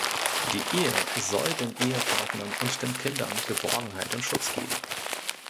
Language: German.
Die Ehe soll den Ehepartnern und den Kindern Geborgenheit und Schutz geben.